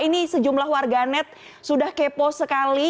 ini sejumlah warga net sudah kepo sekali